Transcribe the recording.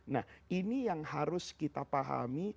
nah ini yang harus kita pahami